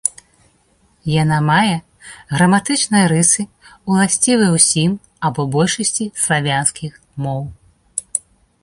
Яна мае граматычныя рысы, ўласцівыя ўсім або большасці славянскіх моў.